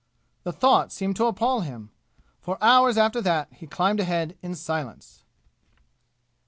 The thought seemed to appal him. For hours after that he climbed ahead in silence.